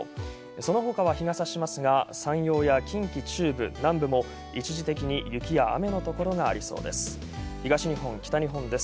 その他は日が差しますが山陽や近畿中部・南部も一時的に雪や雨のところがありそうです。